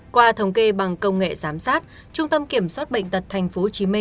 qua thống kê bằng công nghệ giám sát trung tâm kiểm soát bệnh tật tp hcm